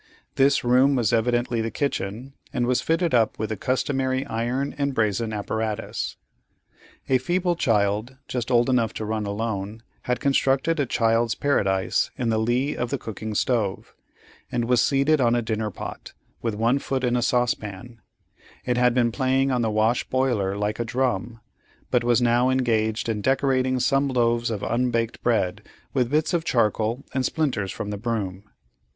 This room was evidently the kitchen, and was fitted up with the customary iron and brazen apparatus. A feeble child, just old enough to run alone, had constructed a child's paradise in the lee of the cooking stove, and was seated on a dinner pot, with one foot in a saucepan; it had been playing on the wash boiler like a drum, but was now engaged in decorating some loaves of unbaked bread with bits of charcoal and splinters from the broom.